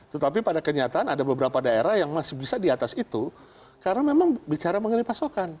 tetapi pada kenyataan ada beberapa daerah yang masih bisa di atas itu karena memang bicara mengenai pasokan